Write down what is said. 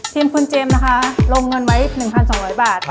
ทีมคุณเจมส์นะคะ